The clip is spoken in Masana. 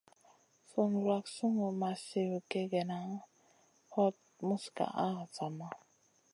Sùn wrak sungu ma sli kègèna, hot muz gaʼa a zama.